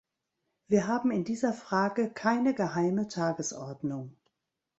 Wir haben in dieser Frage keine geheime Tagesordnung.